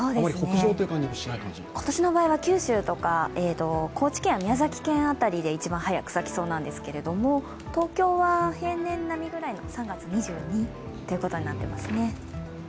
北上という感じはしないかも今年の場合は九州とか、高知県や宮崎県辺りで一番早く咲きそうなんですけども、東京は平年並みぐらいの３月２２日ということになっていますね。